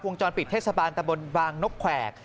จรปิดเทศบาลตะบนบางนกแขวก